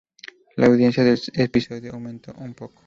La audiencia del episodio aumento un poco.